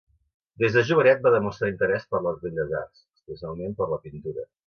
Des de jovenet va demostrar interès per les belles arts, especialment per la pintura.